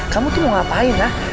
kamu tuh mau ngapain ya